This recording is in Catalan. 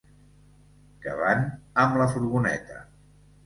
Que van amb la furgoneta.